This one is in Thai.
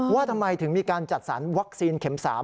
ว่าทำไมถึงมีการจัดสรรวัคซีนเข็ม๓